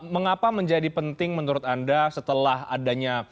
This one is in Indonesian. mengapa menjadi penting menurut anda setelah adanya